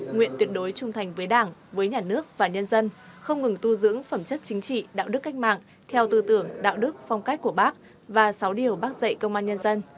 nguyện tuyệt đối trung thành với đảng với nhà nước và nhân dân không ngừng tu dưỡng phẩm chất chính trị đạo đức cách mạng theo tư tưởng đạo đức phong cách của bác và sáu điều bác dạy công an nhân dân